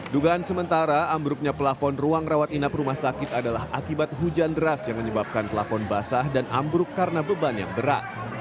dugaan sementara ambruknya pelafon ruang rawat inap rumah sakit adalah akibat hujan deras yang menyebabkan pelafon basah dan ambruk karena beban yang berat